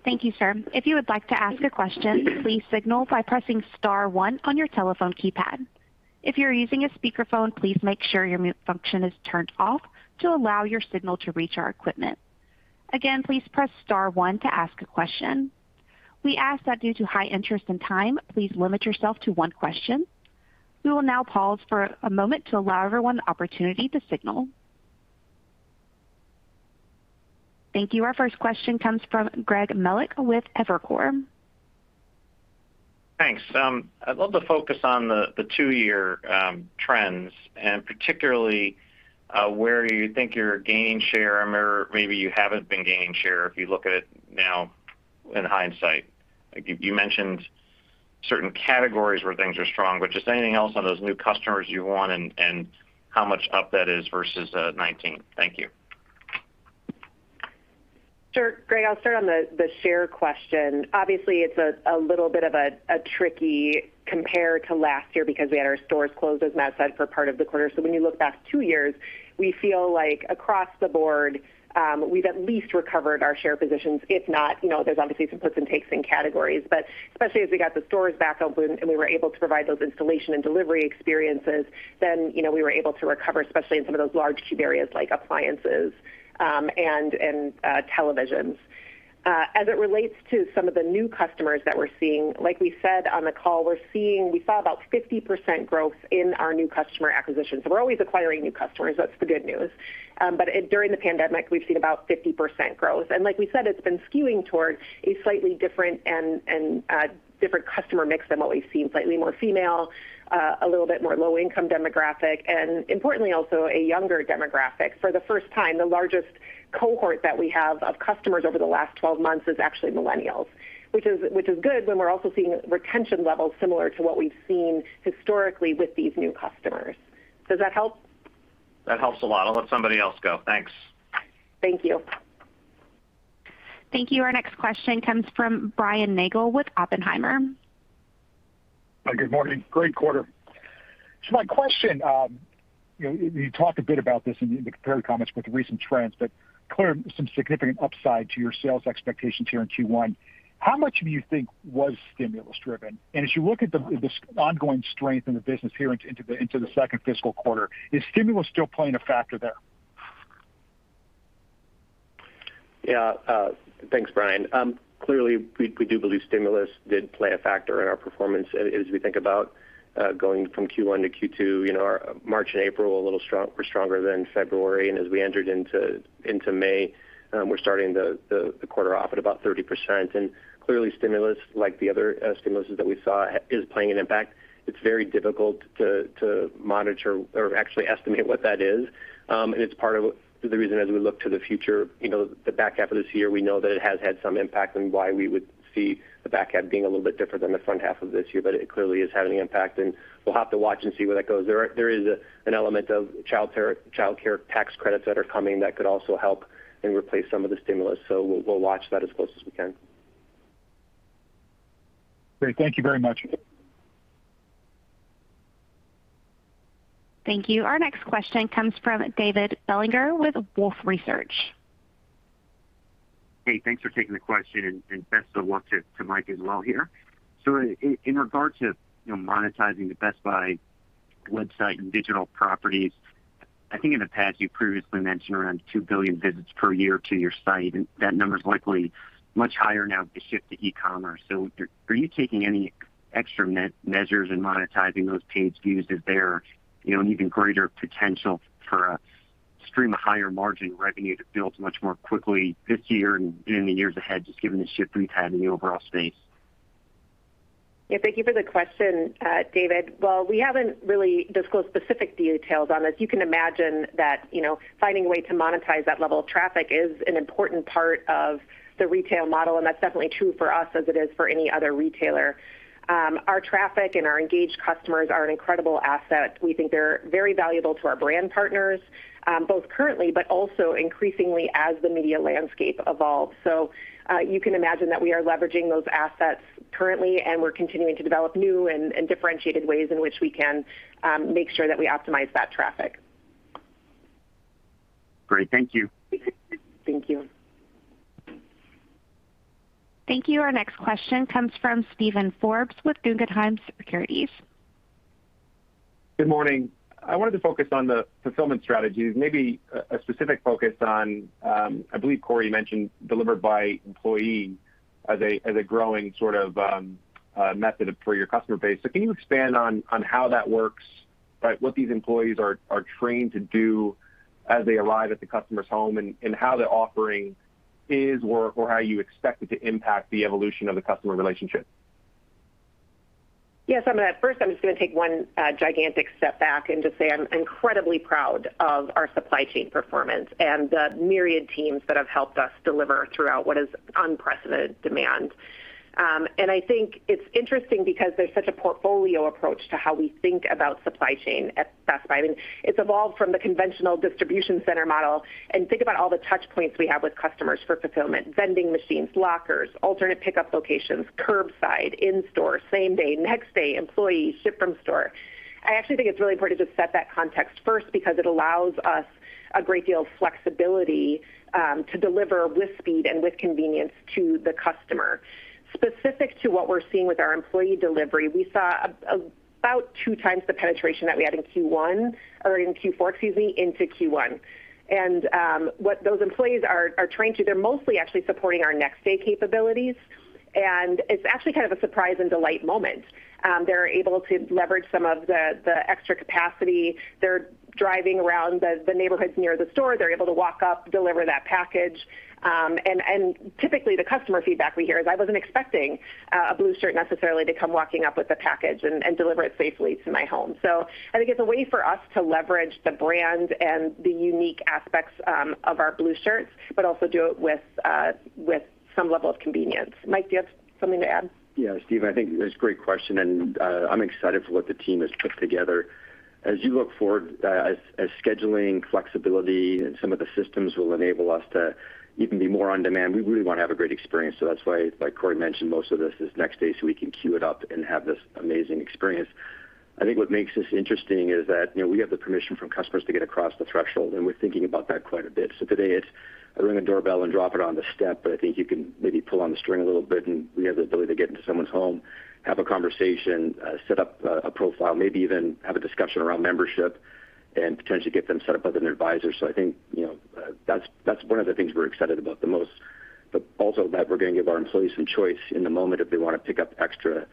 Thank you, team. If you would like to ask a question, please signal by pressing star one on your telephone keypad. If you're using a speakerphone, please make sure your mute function is turned off to allow your signal to reach our equipment. Again, please press star one to ask a question. We ask that due to high interest and time, please limit yourself to one question. We will now pause for a moment to allow everyone the opportunity to signal. Thank you. Our first question comes from Greg Melich with Evercore. Thanks. I'd love to focus on the two-year trends, and particularly where you think you're gaining share, or maybe you haven't been gaining share if you look at it now in hindsight. You mentioned certain categories where things are strong, but just anything else on those new customers you won and how much up that is versus 2019. Thank you. Sure, Greg. I'll start on the share question. Obviously, it's a little bit of a tricky compare to last year because we had our stores closed in that side for part of the quarter. When you look back two years, we feel like across the board, we've at least recovered our share positions. There's obviously some puts and takes in categories. Especially as we got the stores back open and we were able to provide those installation and delivery experiences, we were able to recover, especially in some of those large key areas like appliances and televisions. As it relates to some of the new customers that we're seeing, like we said on the call, we saw about 50% growth in our new customer acquisitions. We're always acquiring new customers, that's the good news. During the pandemic, we've seen about 50% growth. Like we said, it's been skewing towards a slightly different customer mix than we've always seen. Slightly more female, a little bit more low-income demographic, and importantly also a younger demographic. For the first time, the largest cohort that we have of customers over the last 12 months is actually millennials, which is good. We're also seeing retention levels similar to what we've seen historically with these new customers. Does that help? That helps a lot. I'll let somebody else go. Thanks. Thank you. Thank you. Our next question comes from Brian Nagel with Oppenheimer. Good morning. Great quarter. My question, you talked a bit about this in the prepared comments with the recent trends, but clearly some significant upside to your sales expectations here in Q1. How much do you think was stimulus driven? As you look at this ongoing strength in the business here into the second fiscal quarter, is stimulus still playing a factor there? Yeah. Thanks, Brian. Clearly, we do believe stimulus did play a factor in our performance as we think about going from Q1 to Q2. March and April were stronger than February, and as we entered into May, we're starting the quarter off at about 30%. Clearly stimulus, like the other stimulus that we saw, is playing an impact. It's very difficult to monitor or actually estimate what that is. It's part of the reason as we look to the future, the back half of this year, we know that it has had some impact on why we would see the back half being a little bit different than the front half of this year, but it clearly is having an impact, and we'll have to watch and see where that goes. There is an element of childcare tax credits that are coming that could also help and replace some of the stimulus. We'll watch that as close as we can. Great. Thank you very much. Thank you. Our next question comes from David Bellinger with Wolfe Research. Hey, thanks for taking the question, and best of luck to Mike as well here. In regard to monetizing the Best Buy website and digital properties, I think in the past you previously mentioned around 2 billion visits per year to your site, and that number is likely much higher now with the shift to e-commerce. Are you taking any extra measures in monetizing those page views? Is there an even greater potential for a stream of higher margin revenue to build much more quickly this year and in the years ahead, given the shift we've had in the overall space? Yeah, thank you for the question, David. Well, we haven't really disclosed specific details on this. You can imagine that finding a way to monetize that level of traffic is an important part of the retail model, and that's definitely true for us as it is for any other retailer. Our traffic and our engaged customers are an incredible asset. We think they're very valuable to our brand partners, both currently, but also increasingly as the media landscape evolves. You can imagine that we are leveraging those assets currently, and we're continuing to develop new and differentiated ways in which we can make sure that we optimize that traffic. Great. Thank you. Thank you. Thank you. Our next question comes from Steven Forbes with Guggenheim Securities. Good morning. I wanted to focus on the fulfillment strategies, maybe a specific focus on, I believe Corie mentioned delivered by employee as a growing sort of method for your customer base. Can you expand on how that works, right? What these employees are trained to do as they arrive at the customer's home, and how the offering is, or how you expect it to impact the evolution of the customer relationship? Yeah, Steven. At first, I'm just going to take one gigantic step back and just say I'm incredibly proud of our supply chain performance and the myriad teams that have helped us deliver throughout what is unprecedented demand. I think it's interesting because there's such a portfolio approach to how we think about supply chain at Best Buy. It's evolved from the conventional distribution center model, and think about all the touch points we have with customers for fulfillment. Vending machines, lockers, alternate pickup locations, curbside, in-store, same day, next day, employee, ship from store. I actually think it's really important to set that context first because it allows us a great deal of flexibility to deliver with speed and with convenience to the customer. Specific to what we're seeing with our employee delivery, we saw about two times the penetration that we had in Q4 into Q1. What those employees are trained to do, they're mostly actually supporting our next day capabilities, and it's actually kind of a surprise and delight moment. They're able to leverage some of the extra capacity. They're driving around the neighborhoods near the store. They're able to walk up, deliver that package. Typically, the customer feedback we hear is, "I wasn't expecting a Blue Shirt necessarily to come walking up with a package and deliver it safely to my home." I think it's a way for us to leverage the brand and the unique aspects of our Blue Shirts, but also do it with some level of convenience. Mike, do you have something to add? Yeah, Steven, I think that's a great question, and I'm excited for what the team has put together. As you look forward, as scheduling flexibility and some of the systems will enable us to even be more on demand, we really want to have a great experience. That's why, like Corie mentioned, most of this is next day, so we can queue it up and have this amazing experience. I think what makes this interesting is that we have the permission from customers to get across the threshold, and we're thinking about that quite a bit. Today it's ring the doorbell and drop it on the step. I think you can maybe pull on the string a little bit, and we have the ability to get into someone's home, have a conversation, set up a profile, maybe even have a discussion around membership, and potentially get them set up with an an advisor. I think that's one of the things we're excited about the most. Also that we're going to give our employees some choice in the moment if they want to pick up extra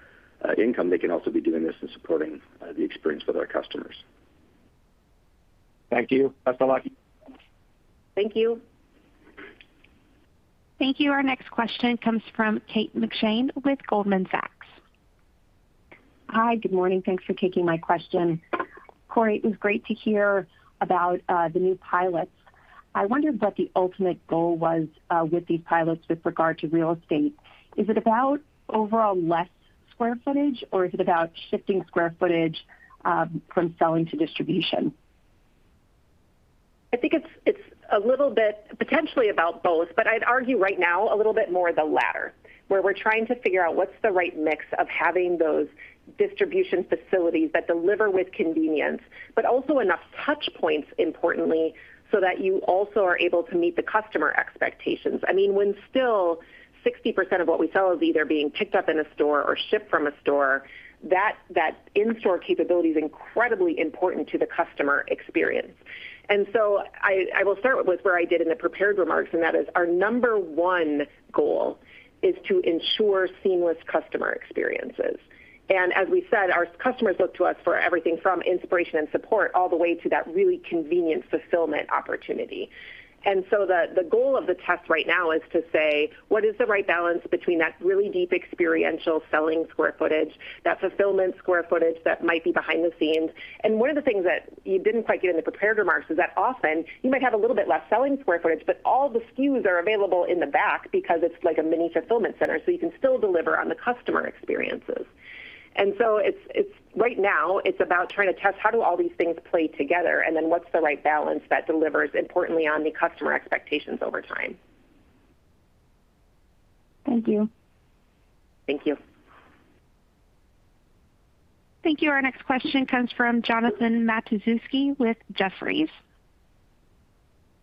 income, they can also be doing this and supporting the experience with our customers. Thank you. Best of luck. Thank you. Thank you. Our next question comes from Kate McShane with Goldman Sachs. Hi. Good morning. Thanks for taking my question. Corie Barry, it was great to hear about the new pilots. I wondered what the ultimate goal was with these pilots with regard to real estate. Is it about overall less square footage, or is it about shifting square footage from selling to distribution? I think it's a little bit potentially about both, but I'd argue right now a little bit more the latter, where we're trying to figure out what's the right mix of having those distribution facilities that deliver with convenience, but also enough touch points, importantly, so that you also are able to meet the customer expectations. When still 60% of what we sell is either being picked up in a store or shipped from a store, that in-store capability is incredibly important to the customer experience. I will start with where I did in the prepared remarks, and that is our number one goal is to ensure seamless customer experiences. As we said, our customers look to us for everything from inspiration and support all the way to that really convenient fulfillment opportunity. The goal of the test right now is to say, what is the right balance between that really deep experiential selling square footage, that fulfillment square footage that might be behind the scenes. One of the things that we didn't quite do in the prepared remarks is that often you might have a little bit less selling square footage, but all the SKUs are available in the back because it's like a mini fulfillment center, so you can still deliver on the customer experience. Right now, it's about trying to test how do all these things play together, and then what's the right balance that delivers, importantly, on the customer expectations over time. Thank you. Thank you. Thank you. Our next question comes from Jonathan Matuszewski with Jefferies.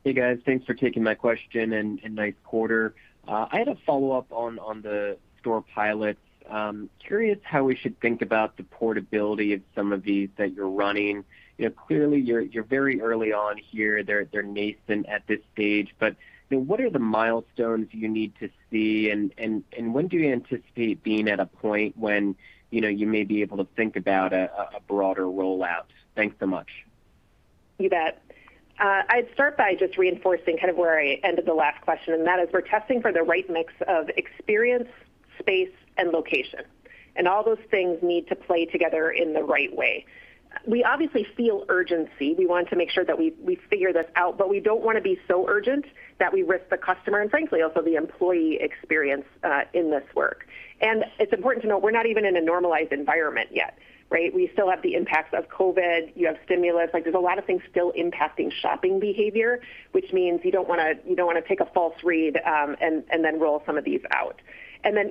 Hey, guys. Thanks for taking my question and nice quarter. I had a follow-up on the store pilots. Curious how we should think about the portability of some of these that you're running. Clearly, you're very early on here. They're nascent at this stage, but what are the milestones you need to see, and when do you anticipate being at a point when you may be able to think about a broader rollout? Thanks so much. You bet. I'd start by just reinforcing where I ended the last question, and that is we're testing for the right mix of experience, space, and location. All those things need to play together in the right way. We obviously feel urgency. We want to make sure that we figure this out, but we don't want to be so urgent that we risk the customer, and frankly, also the employee experience in this work. It's important to know we're not even in a normalized environment yet, right? We still have the impact of COVID, you have stimulus. There's a lot of things still impacting shopping behavior, which means you don't want to take a false read and then roll some of these out.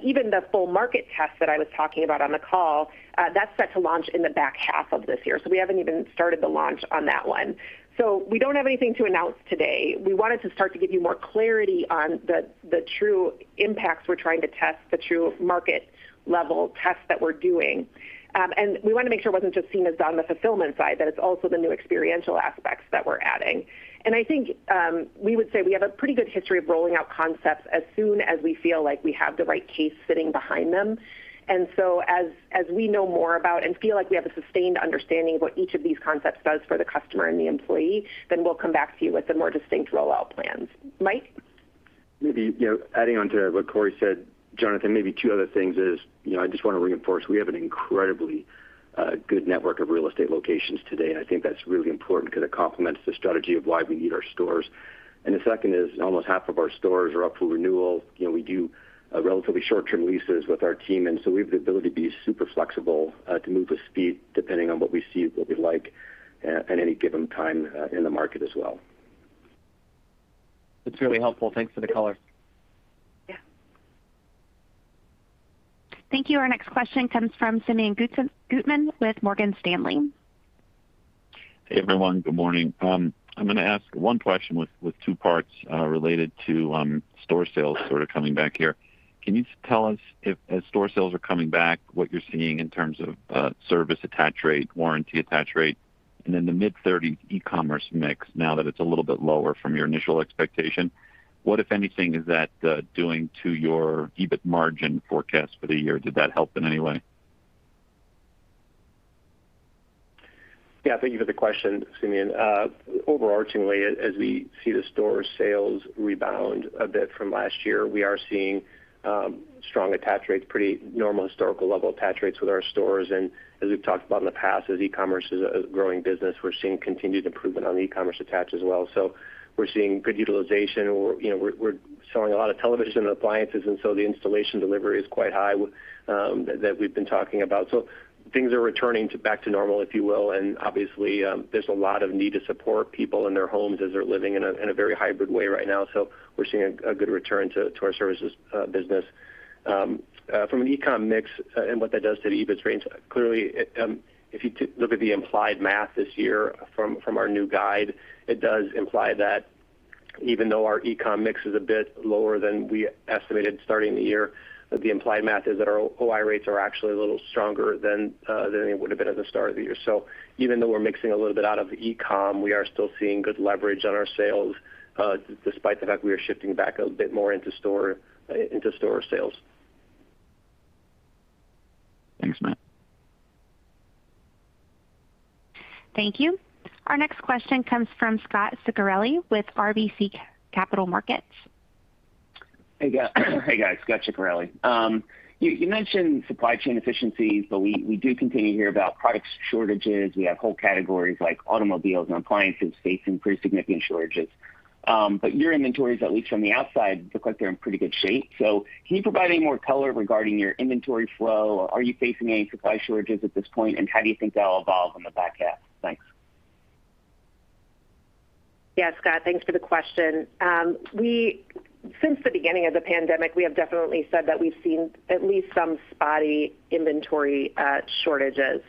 Even the full market test that I was talking about on the call, that's set to launch in the back half of this year. We haven't even started the launch on that one. We don't have anything to announce today. We wanted to start to give you more clarity on the true impacts we're trying to test, the true market level test that we're doing. We want to make sure it wasn't just seen as on the fulfillment side. There's also the new experiential aspects that we're adding. I think we would say we have a pretty good history of rolling out concepts as soon as we feel like we have the right case sitting behind them. As we know more about and feel like we have a sustained understanding of what each of these concepts does for the customer and the employee, then we'll come back to you with a more distinct rollout plan. Mike? Maybe adding on to what Corie Barry said, Jonathan, maybe two other things is, I just want to reinforce, we have an incredibly good network of real estate locations today, and I think that's really important because it complements the strategy of why we need our stores. The second is almost half of our stores are up for renewal. We do relatively short-term leases with our team, we have the ability to be super flexible, to move with speed depending on what we see and what we like at any given time in the market as well. That's really helpful. Thanks for the color. Yeah. Thank you. Our next question comes from Simeon Gutman with Morgan Stanley. Hey, everyone. Good morning. I'm going to ask one question with two parts related to store sales sort of coming back here. Can you tell us if store sales are coming back, what you're seeing in terms of service attach rate, warranty attach rate, and then the mid-30s e-commerce mix now that it's a little bit lower from your initial expectation? What, if anything, is that doing to your EBIT margin forecast for the year? Did that help in any way? Yeah. Thank you for the question, Simeon. Overarchingly, as we see the store sales rebounding a bit from last year, we are seeing strong attach rates, pretty normal historical level attach rates with our stores. As we've talked about in the past, as e-commerce is a growing business, we're seeing continued improvement on e-commerce attach as well. We're seeing good utilization. We're selling a lot of television appliances, the installation delivery is quite high that we've been talking about. Things are returning back to normal, if you will. Obviously, there's a lot of need to support people in their homes as they're living in a very hybrid way right now. We're seeing a good return to our services business. From e-com mix and what that does to EBIT rates, clearly, if you look at the implied math this year from our new guide, it does imply that even though our e-com mix is a bit lower than we estimated starting the year, the implied math is that our OI rates are actually a little stronger than they would have been at the start of the year. Even though we're mixing a little bit out of e-com, we are still seeing good leverage on our sales, despite the fact we are shifting back a bit more into store sales. Thanks, Mike. Thank you. Our next question comes from Scot Ciccarelli with RBC Capital Markets. Hey, guys. Scot Ciccarelli. You mentioned supply chain efficiencies, we do continue to hear about product shortages. We have whole categories like automobiles and appliances facing pretty significant shortages. Your inventories, at least on the outside, look like they're in pretty good shape. Can you provide any more color regarding your inventory flow? Are you facing any supply shortages at this point, and how do you think that will evolve in the back half? Thanks. Yeah, Scot Ciccarelli, thanks for the question. Since the beginning of the pandemic, we have definitely said that we've seen at least some spotty inventory shortages.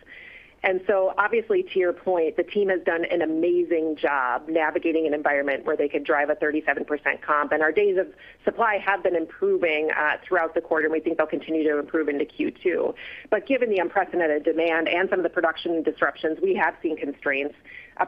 Obviously, to your point, the team has done an amazing job navigating an environment where they could drive a 37% comp. Our days of supply have been improving throughout the quarter. We think they'll continue to improve into Q2. Given the unprecedented demand and some of the production disruptions, we have seen constraints,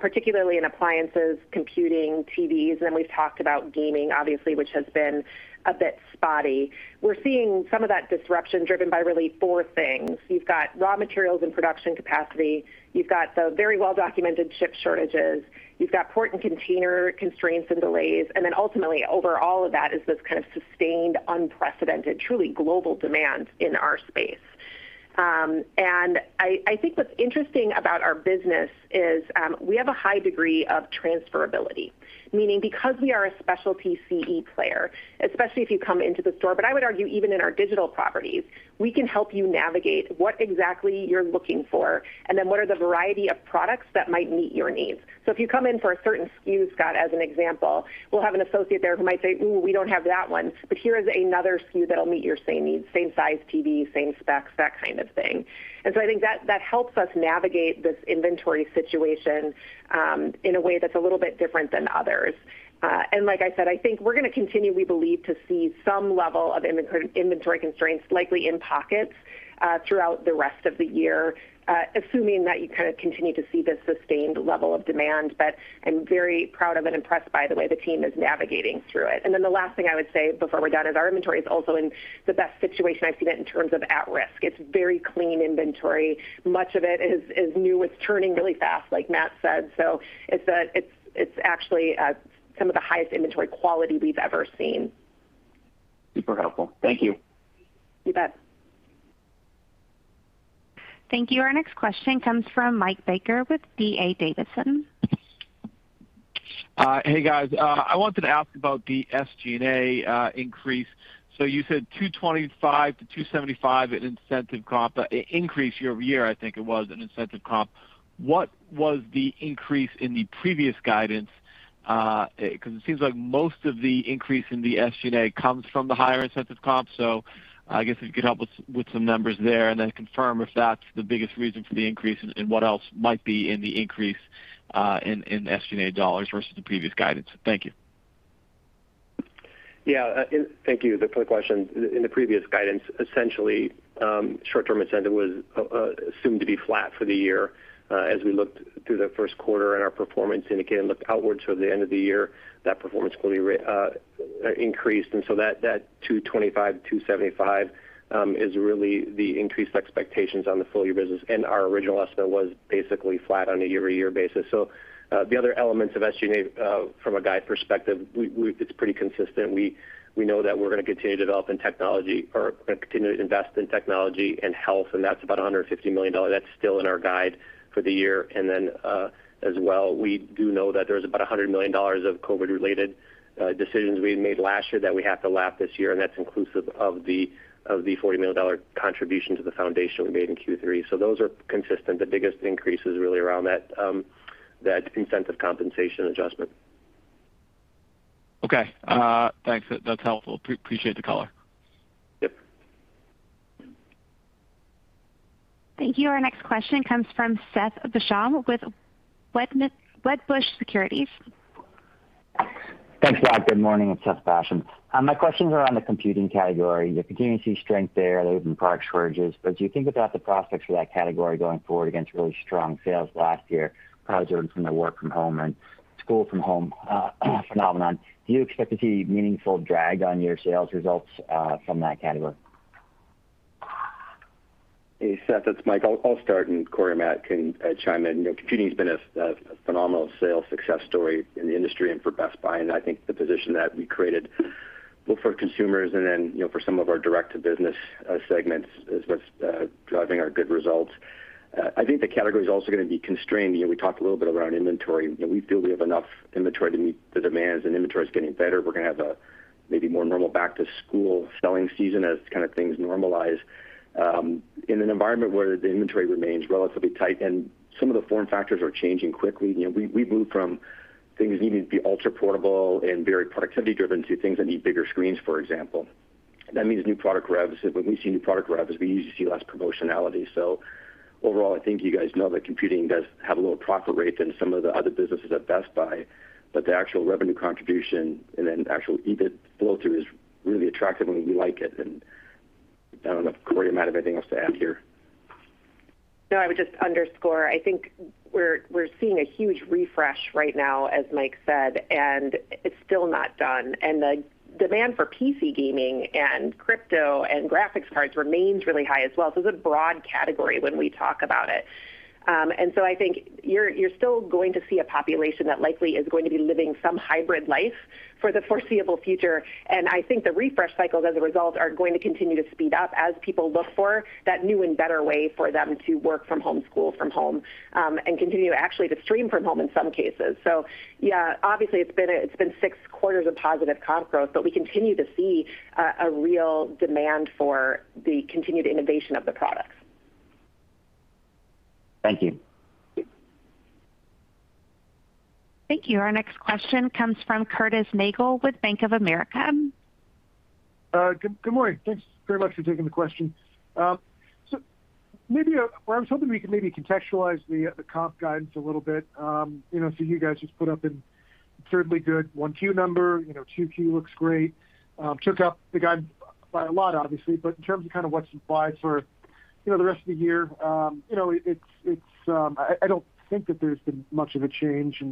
particularly in appliances, computing, TVs. We talked about gaming, obviously, which has been a bit spotty. We're seeing some of that disruption driven by really four things. You've got raw materials and production capacity. You've got the very well-documented chip shortages. You've got port and container constraints and delays. Ultimately, over all of that is this kind of sustained, unprecedented, truly global demand in our space. I think what's interesting about our business is we have a high degree of transferability, meaning because we are a specialty CE player, especially if you come into the store, but I would argue even in our digital properties, we can help you navigate what exactly you're looking for, and then what are the variety of products that might meet your needs. If you come in for a certain SKU, Scot, as an example, we'll have an associate there who might say, "Ooh, we don't have that one, but here is another SKU that'll meet your same needs, same size TV, same specs," that kind of thing. I think that helps us navigate this inventory situation in a way that's a little bit different than others. Like I said, I think we're going to continue, we believe, to see some level of inventory constraints, likely in pockets, throughout the rest of the year, assuming that you continue to see this sustained level of demand. I'm very proud of and impressed by the way the team is navigating through it. The last thing I would say before we go out of inventory, it's also in the best situation I've seen it in terms of at-risk. It's very clean inventory. Much of it is new. It's turning really fast, like Matt said. It's actually some of the highest inventory quality we've ever seen. Super helpful. Thank you. You bet. Thank you. Our next question comes from Michael Baker with D.A. Davidson. Hey, guys. I wanted to ask about the SG&A increase. You said $225-$275 in incentive comp, increase year-over-year, I think it was, in incentive comp. What was the increase in the previous guidance? It seems like most of the increase in the SG&A comes from the higher incentive comp. I guess if you can help with some numbers there and then confirm if that's the biggest reason for the increase and what else might be in the increase in SG&A dollars versus the previous guidance. Thank you. Yeah. Thank you for the question. In the previous guidance, essentially, short-term incentive was assumed to be flat for the year. As we looked through the first quarter and our performance, and again, looked outward toward the end of the year, that performance increased. That $225-$275 is really the increased expectations on the full year business. Our original estimate was basically flat on a year-over-year basis. The other elements of SG&A from a guide perspective, it's pretty consistent. We know that we're going to continue to develop in technology or continue to invest in technology and health, and that's about $150 million. That's still in our guide for the year. Then as well, we do know that there's about $100 million of COVID related decisions we made last year that we have to lap this year, and that's inclusive of the $40 million contribution to the Foundation we made in Q3. Those are consistent. The biggest increase is really around that incentive compensation adjustment. Okay. Thanks. That's helpful. Appreciate the color. Yep. Thank you. Our next question comes from Seth Basham with Wedbush Securities. Thanks, guys. Good morning. It's Seth Basham. My questions are on the computing category. You're continuing to see strength there, raising parks charges. Do you think about the prospects for that category going forward against really strong sales last year driven from the work from home and school from home phenomenon? Do you expect to see meaningful drag on your sales results from that category? Hey, Seth, it's Mike. I'll start and Corie or Matt can chime in. Computing has been a phenomenal sales success story in the industry and for Best Buy. I think the position that we created both for consumers and then for some of our direct to business segments is what's driving our good results. I think the category is also going to be constrained. We talked a little bit around inventory. We feel we have enough inventory to meet the demands, and inventory is getting better. We're going to have a maybe more normal back to school selling season as things normalize. In an environment where the inventory remains relatively tight and some of the form factors are changing quickly. We moved from things needing to be ultra portable and very productivity driven to things that need bigger screens, for example. That means new product revs. When we see new product revs, we usually see less promotionality. Overall, I think you guys know that computing does have a lower profit rate than some of the other businesses at Best Buy. The actual revenue contribution and then actual EBIT flow through is really attractive and we like it. I don't know if Corie or Matt have anything else to add here. No, I would just underscore, I think we're seeing a huge refresh right now, as Mike said, It's still not done. The demand for PC gaming and crypto and graphics cards remains really high as well. It's a broad category when we talk about it. I think you're still going to see a population that likely is going to be living some hybrid life for the foreseeable future. I think the refresh cycles as a result are going to continue to speed up as people look for that new and better way for them to work from home, school from home, and continue to actually to stream from home in some cases. Yeah, obviously it's been six quarters of positive comp growth, but we continue to see a real demand for the continued innovation of the product. Thank you. Yep. Thank you. Our next question comes from Curtis Nagle with Bank of America. Good morning. Thanks very much for taking the question. Maybe, I'm hoping we can maybe contextualize the comp guidance a little bit. You guys just put up a certainly good Q1 number. Q2 looks great. Shook up the guide by a lot, obviously. In terms of what's in play for the rest of the year, I don't think that there's been much of a change.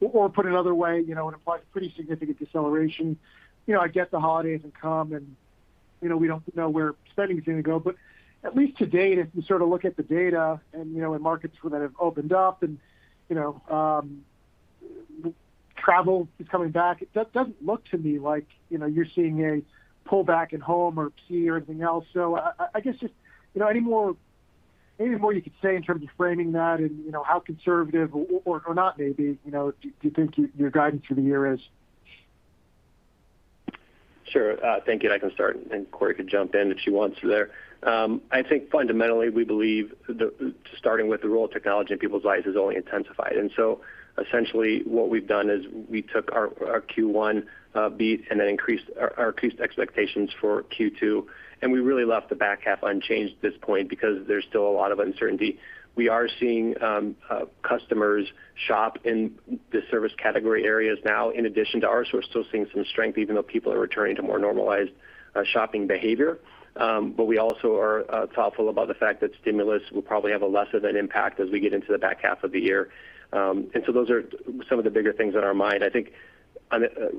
Put another way, it implies pretty significant deceleration. I get the holidays have come and we don't know where spending is going to go. At least to date, if we look at the data and markets that have opened up, Travel is coming back. It doesn't look to me like you're seeing a pullback at home or CE or anything else. I guess just anymore you could say in terms of framing that and how conservative or not maybe, do you think your guidance for the year is? Sure. Thank you. I can start, and then Corey can jump in if she wants to there. I think fundamentally, we believe that starting with the role of technology in people's lives has only intensified. Essentially what we've done is we took our Q1 beat and increased our expectations for Q2, and we really left the back half unchanged at this point because there's still a lot of uncertainty. We are seeing customers shop in the service category areas now, in addition to ourselves still seeing some strength, even though people are returning to more normalized shopping behavior. We also are thoughtful about the fact that stimulus will probably have a less of an impact as we get into the back half of the year. Those are some of the bigger things on our mind. I think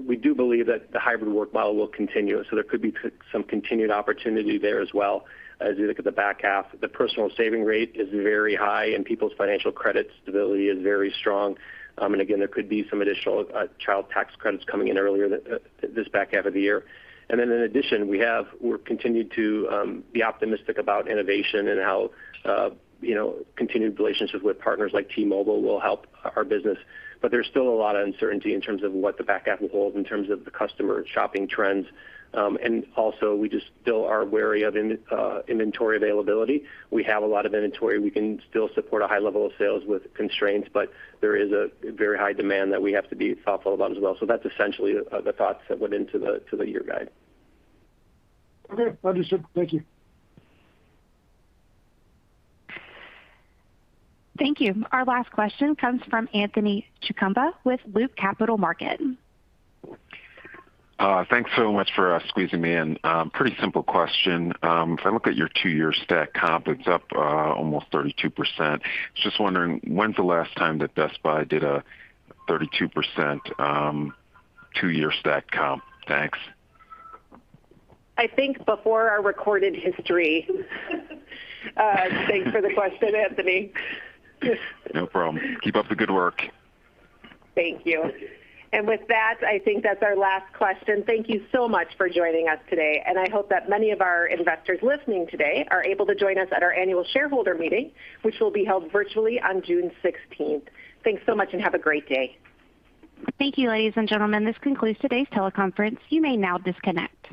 we do believe that the hybrid work model will continue. There could be some continued opportunity there as well as we look at the back half. The personal saving rate is very high, and people's financial credit stability is very strong. Again, there could be some additional child tax credits coming in earlier this back half of the year. In addition, we continue to be optimistic about innovation and how continued relationships with partners like T-Mobile will help our business. There's still a lot of uncertainty in terms of what the back half will hold in terms of the customer shopping trends. Also we just still are wary of inventory availability. We have a lot of inventory. We can still support a high level of sales with constraints, but there is a very high demand that we have to be thoughtful about as well. That's essentially the thoughts that went into the year guide. Okay. Understood. Thank you. Thank you. Our last question comes from Anthony Chukumba with Loop Capital Markets. Thanks so much for squeezing me in. Pretty simple question. If I look at your two year stat comp, it's up almost 32%. Just wondering, when's the last time that Best Buy did a 32% two year stat comp? Thanks. I think before our recorded history. Thanks for the question, Anthony. No problem. Keep up the good work. Thank you. With that, I think that's our last question. Thank you so much for joining us today, and I hope that many of our investors listening today are able to join us at our annual shareholder meeting, which will be held virtually on June 16th. Thanks so much and have a great day. Thank you, ladies and gentlemen. This concludes today's teleconference. You may now disconnect.